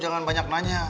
jangan banyak nanya